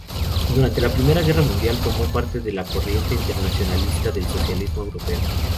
Durante la Primera Guerra Mundial, formó parte de la corriente internacionalista del socialismo europeo.